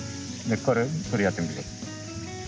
これやってみてください。